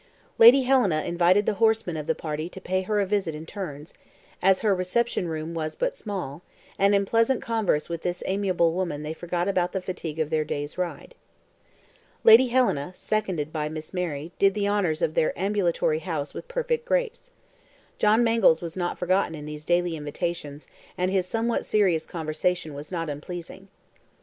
Lady Helena invited the horsemen of the party to pay her a visit in turns, as her reception room was but small, and in pleasant converse with this amiable woman they forgot the fatigue of their day's ride. Lady Helena, seconded by Miss Mary, did the honors of their ambulatory house with perfect grace. John Mangles was not forgotten in these daily invitations, and his somewhat serious conversation was not unpleasing.